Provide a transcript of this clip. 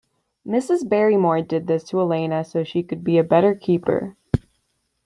Mrs. Barrymore did this to Elena so she could be a better keeper.